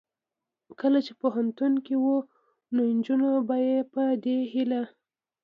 کله چې پوهنتون کې و نو نجونو ته به یې په دې هیله